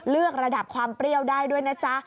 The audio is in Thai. ระดับความเปรี้ยวได้ด้วยนะจ๊ะ